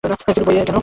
কিন্তু বইয়ে কেন?